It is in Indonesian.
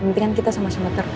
penting kita sama sama terus